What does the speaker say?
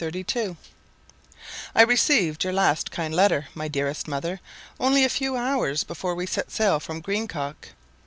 Laurel, July 18, 1832 I RECEIVED your last kind letter, my dearest mother, only a few hours before we set sail from Greenock.